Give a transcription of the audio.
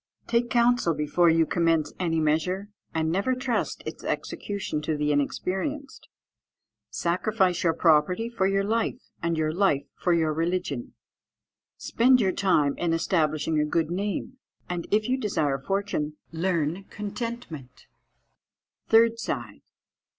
_ "Take counsel before you commence any measure, and never trust its execution to the inexperienced. "Sacrifice your property for your life, and your life for your religion. "Spend your time in establishing a good name; and if you desire fortune, learn contentment." _Third side.